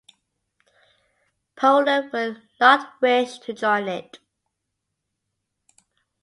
Poland will not wish to join it.